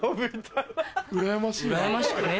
うらやましいな。